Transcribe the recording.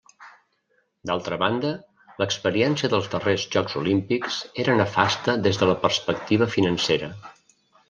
D'altra banda, l'experiència dels darrers jocs olímpics era nefasta des de la perspectiva financera.